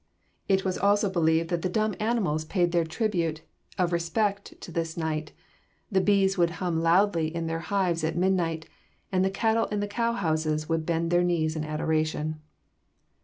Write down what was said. It was also believed that the dumb animals paid their tribute of respect to this night; the bees would hum loudly in their hives at midnight, and the cattle in the cow houses would bend their knees as in adoration.